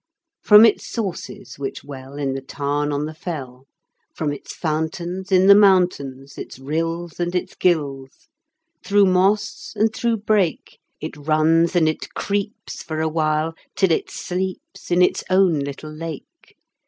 From its sources which well In the tarn on the fell; From its fountains In the mountains, Its rills and its gills; Through moss and through brake, It runs and it creeps For a while, till it sleeps In its own little lake.